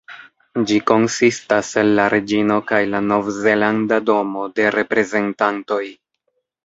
Ĝi konsistas el la Reĝino kaj la Novzelanda Domo de Reprezentantoj.